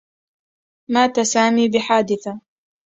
مات سامي بحادثة.